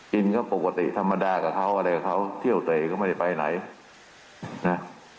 กินก็ปกติธรรมดากับเขาอะไรกับเขาเที่ยวแต่ก็ไม่ได้ไปไหนนะ